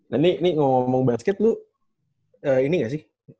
nah ini ngomong basket lu ini gak sih